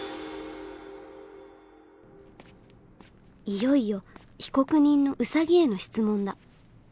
いよいよ被告人のウサギへの質問だ。